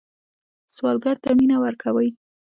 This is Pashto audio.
سوالګر ته مینه ورکوئ